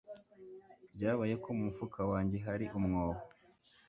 Byabaye ko mu mufuka wanjye hari umwobo